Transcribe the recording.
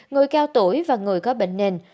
người cao tuổi và người có bệnh nền